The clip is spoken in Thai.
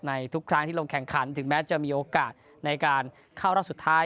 ทุกครั้งที่ลงแข่งขันถึงแม้จะมีโอกาสในการเข้ารอบสุดท้าย